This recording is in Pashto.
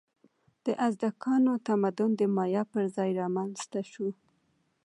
د ازتکانو تمدن د مایا پر ځای رامنځته شو.